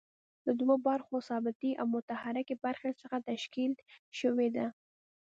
له دوو برخو ثابتې او متحرکې برخې څخه تشکیل شوې ده.